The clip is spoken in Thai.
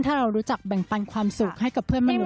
ถ้าเรารู้จักแบ่งปันความสุขให้กับเพื่อนมนุษย์